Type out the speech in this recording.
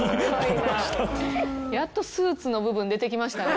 やっとスーツの部分出てきましたね。